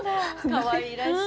かわいらしい。